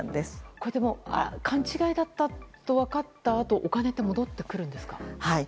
これ、でも勘違いだったと分かったあとお金って戻ってくるんですか？